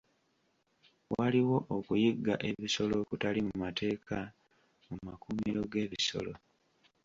Waliwo okuyigga ebisolo okutali mu mateeka mu makuumiro g'ebisolo.